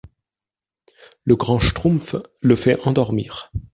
Le grand Schtroumpf le fait endormir.